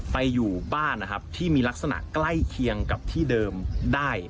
ไปอยู่บ้านนะครับที่มีลักษณะใกล้เคียงกับที่เดิมได้